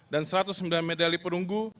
dan satu ratus sembilan medali perunggu